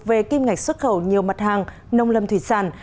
về kim ngạch xuất khẩu nhiều mặt hàng nông lâm thủy sản